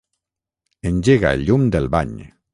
Engega el llum del bany.